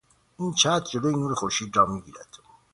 این چتر جلو نور خورشید را میگیرد.